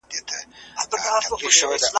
آینده توره تیاره ده